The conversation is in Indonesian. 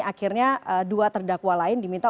akhirnya dua terdakwa lain diminta